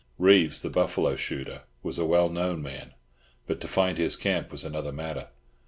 Reeves, the buffalo shooter, was a well known man, but to find his camp was another matter.